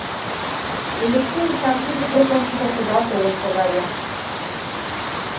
Элексей Эчан тиде пӧрт ончыко кудал толын шогале.